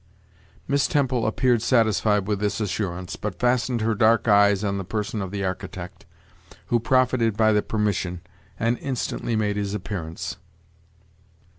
Miss Temple appeared satisfied with this assurance, but fastened her dark eyes on the person of the architect, who profited by the permission, and instantly made his appearance.